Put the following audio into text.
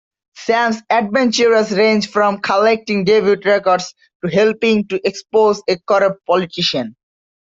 Sam's adventures range from collecting debut records to helping to expose a corrupt politician.